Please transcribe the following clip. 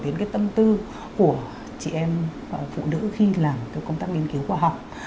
đến cái tâm tư của chị em phụ nữ khi làm cái công tác nghiên cứu khoa học